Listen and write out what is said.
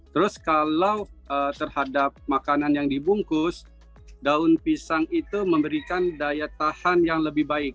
terus kalau terhadap makanan yang dibungkus daun pisang itu memberikan daya tahan yang lebih baik